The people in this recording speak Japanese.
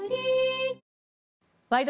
「ワイド！